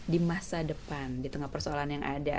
di masa depan di tengah persoalan yang ada